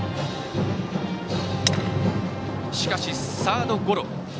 しかし、サードゴロ。